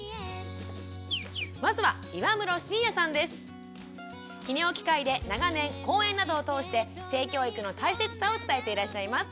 まずは泌尿器科医で長年講演などを通して性教育の大切さを伝えていらっしゃいます。